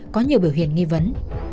có nhiều biểu hiện nghi vấn